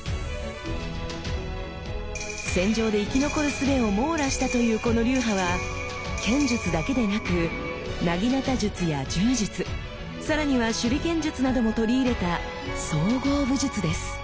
戦場で生き残るすべを網羅したというこの流派は剣術だけでなく薙刀術や柔術更には手裏剣術なども取り入れた総合武術です。